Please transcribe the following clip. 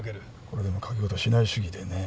これでも賭け事しない主義でね。